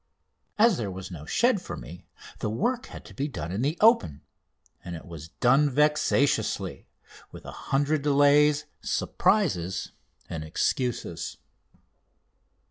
As there was no shed there for me the work had to be done in the open, and it was done vexatiously, with a hundred delays, surprises, and excuses.